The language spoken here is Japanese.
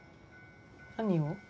何を？